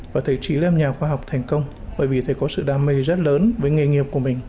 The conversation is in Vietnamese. và thầy chỉ làm nhà khoa học thành công bởi vì thầy có sự đam mê rất lớn với nghề nghiệp của mình